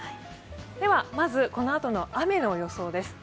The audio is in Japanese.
ではこのあとの雨の予想です。